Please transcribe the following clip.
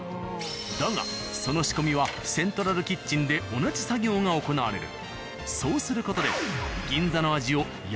だがその仕込みはセントラルキッチンで同じ作業が行われる。